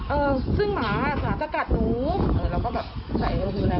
เออซึ่งหมาอ่ะหมาก็กัดหนูเออเราก็แบบใส่อะไรคืออะไร